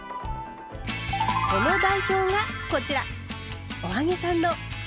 その代表がこちら！